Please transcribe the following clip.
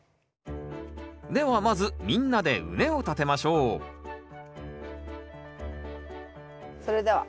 ではまずみんなで畝を立てましょうそれでは。